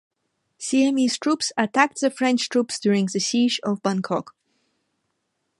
Siamese troops attacked the French troops during the Siege of Bangkok.